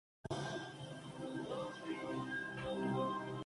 En el segundo verso de muestra a Apl.de.Ap completamente enamorado de Fergie.